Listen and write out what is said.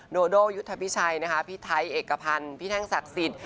โดโดยุทธพิชัยนะคะพี่ไทยเอกพันธ์พี่แท่งศักดิ์สิทธิ